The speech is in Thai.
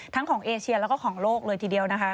ของเอเชียแล้วก็ของโลกเลยทีเดียวนะคะ